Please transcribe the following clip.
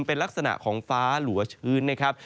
เป็นลักษณะของฟ้าหลัวชื้นนะครับ